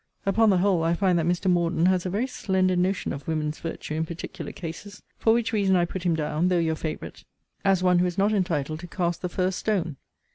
Upon the whole, I find that Mr. Morden has a very slender notion of women's virtue in particular cases: for which reason I put him down, though your favourite, as one who is not entitled to cast the first stone.